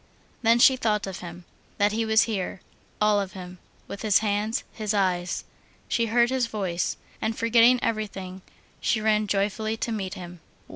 Then she thought of him, that he was here, all of him, with his hands, his eyes. She heard his voice. And forgetting everything, she ran joyfully to meet him.